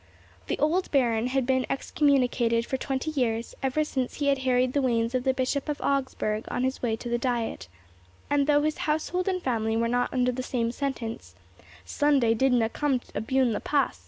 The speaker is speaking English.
The old baron had been excommunicated for twenty years, ever since he had harried the wains of the Bishop of Augsburg on his way to the Diet; and, though his household and family were not under the same sentence, "Sunday didna come abune the pass."